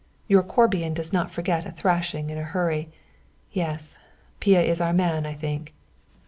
Your Corbian does not forget a thrashing in a hurry. Yes, Pia is our man, I think."